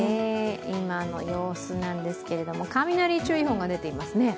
今の様子なんですが雷注意報が出ていますね。